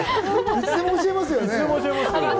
いつでも教えますよね。